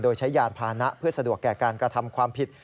โดยใช้ยานพานะเพื่อสะดวกแก่การกระทำความผิด